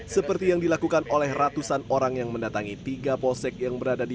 seperti yang dilakukan oleh ratusan orang yang mendatangi tiga polsek yang berada di